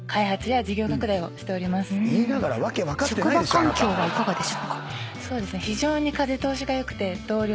職場環境はいかがでしょうか？